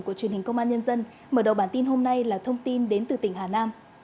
của truyền hình công an nhân dân mở đầu bản tin hôm nay là thông tin đến từ tỉnh hà nam